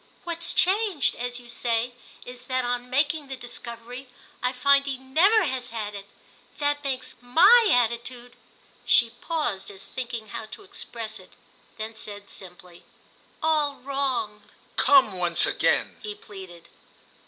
"What's changed, as you say, is that on making the discovery I find he never has had it. That makes my attitude"—she paused as thinking how to express it, then said simply—"all wrong." "Come once again," he pleaded.